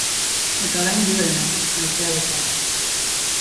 Eta orain libre naiz, haizea bezala.